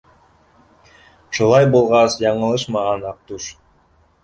Шулай булғас, яңылышмаған Аҡтүш.